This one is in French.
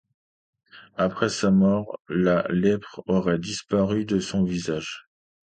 Après sa mort, la lèpre aurait disparu de son visage.